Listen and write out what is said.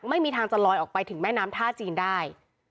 ไม่มีทางจะลอยออกไปถึงแม่น้ำท่าจีนได้